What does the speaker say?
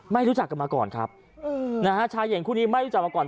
รู้จักกันมาก่อนครับนะฮะชายหญิงคู่นี้ไม่รู้จักมาก่อน